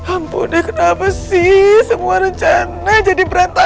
ampun deh kenapa sih semua rencana jadi berantakan